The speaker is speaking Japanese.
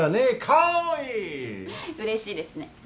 うれしいですね。